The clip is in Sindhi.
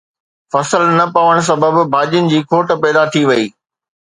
فصل نه پوڻ سبب ڀاڄين جي کوٽ پيدا ٿي وئي